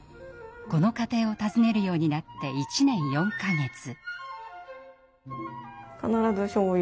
この家庭を訪ねるようになって１年４か月。